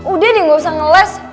udah nih gak usah ngeles